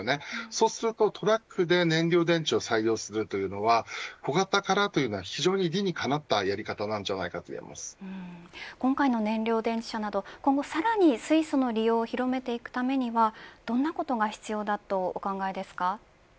そうすると、トラックで燃料電池を採用するのは小型からというの非常に理にかなったやり方だと今回の燃料電池車など今後さらに水素の利用を広めていくためにはどんなことが必要だとお考えですか。